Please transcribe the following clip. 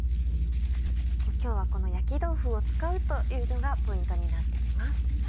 今日はこの焼き豆腐を使うというのがポイントになってきます。